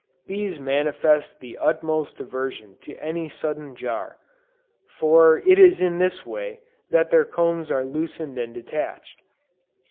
Bees manifest the utmost aversion to any sudden jar; for it is in this way, that their combs are loosened and detached.